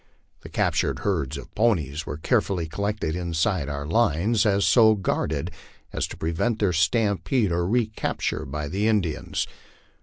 The captured herds of ponies were carefully collected inside our lines, and so guarded as to prevent their stampede or recapture by the Indians.